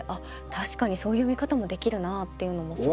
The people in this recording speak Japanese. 確かにそういう見方もできるなっていうのもすごく。